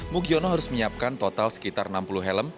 mugiono harus menyiapkan total sekitar enam puluh helm